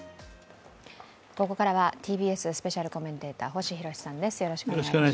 ここからはＴＢＳスペシャルコメンテーター・星浩さんです。